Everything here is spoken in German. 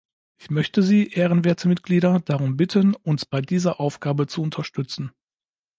Ich möchte Sie, ehrenwerte Mitglieder, darum bitten, uns bei dieser Aufgabe zu unterstützen.